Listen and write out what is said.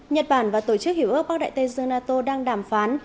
nhật bản và tổ chức hiểu ước bắc đại tây dương nato đang đàm phán